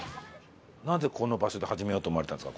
なぜこの場所で始めようと思われたんですか？